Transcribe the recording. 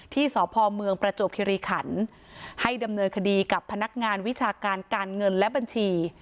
ที่สพเมืองประจวบคิริขันให้ดำเนินคดีกับพนักงานวิชาการการเงินและบัญชี